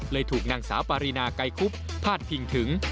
ถูกนางสาวปารีนาไกรคุบพาดพิงถึง